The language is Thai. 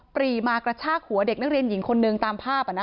รีมากระชากหัวเด็กนักเรียนหญิงคนนึงตามภาพ